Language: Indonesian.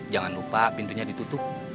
jangan lupa pintunya ditutup